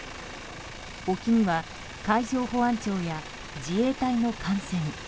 沖には海上保安庁や自衛隊の艦船。